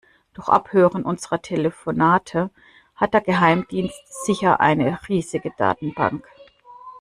Durch Abhören unserer Telefonate hat der Geheimdienst sicher eine riesige Datenbank.